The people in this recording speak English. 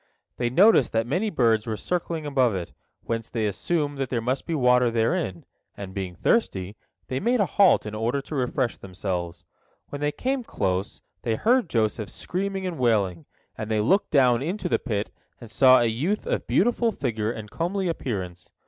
They noticed that many birds were circling above it, whence they assumed that there must be water therein, and, being thirsty, they made a halt in order to refresh themselves. When they came close, they heard Joseph screaming and wailing, and they looked down into the pit and saw a youth of beautiful figure and comely appearance.